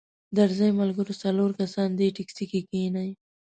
درځئ ملګرو څلور کسان دې ټیکسي کې کښینئ.